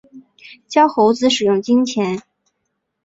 教猴子使用金钱